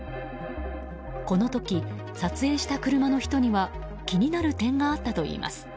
この時、撮影した車の人には気になる点があったといいます。